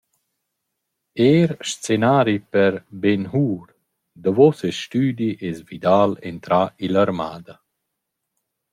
Eir scenari per «Ben Hur» Davo seis stüdi es Vidal entrà ill’armada.